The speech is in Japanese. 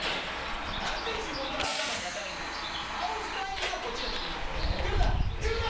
何で自分から頭に当たりにいくねん倒すタイミングはこっちが決めるから来るな来るな！